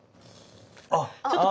あっ！